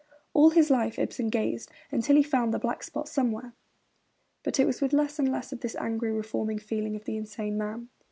All his life Ibsen gazed until he found the black spot somewhere; but it was with less and less of this angry, reforming feeling of the insane man.